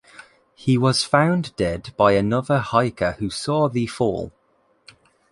He was found dead by another hiker who saw the fall.